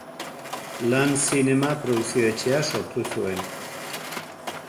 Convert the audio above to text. Lan Zinema produkzio-etxea sortu zuen.